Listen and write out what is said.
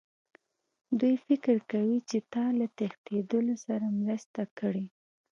دوی فکر کوي چې تا له تښتېدلو سره مرسته کړې